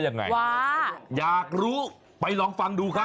ทำไมที่กินไม่ดีมะ